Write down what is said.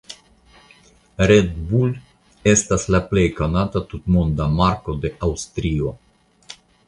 Red Bull estas la plej konata tutmonda marko de Aŭstrio.